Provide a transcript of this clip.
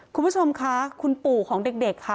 คุณผู้ชมค่ะคุณปู่ของเด็กค่ะ